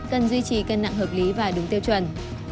cần duy trì cân nặng hợp lý và đúng tiêu chuẩn